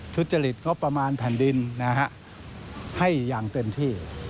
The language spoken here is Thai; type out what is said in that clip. ทุจริตงบประมาณแผ่นดินให้อย่างเต็มที่